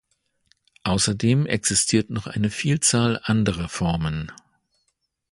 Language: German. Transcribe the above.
Außerdem existiert noch eine Vielzahl anderer Formen.